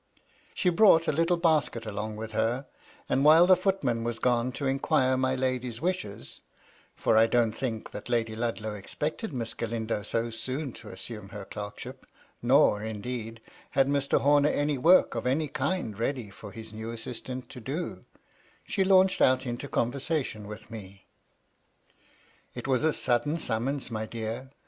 She brought a little basket along with her; and while the footman was gone to inquire my lady's wishes (for I don't think that Lady Ludlow expected Miss Galindo so soon to assume her clerkship ; nor, indeed, had Mr. Homer any work of any kind ready for his new assistant to do), she launched out into conversation with me. " It was a sudden summons, my dear